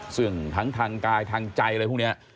ซึ่งทั้งทางกายทางใจอะไรพวกนี้